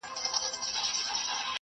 ټول شیان د خدای له لوري پیدا سوي دي.